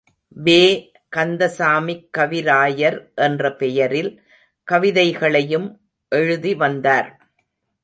வே. கந்த சாமிக் கவிராயர் என்ற பெயரில் கவிதைகளையும் எழுதி வந்தார்.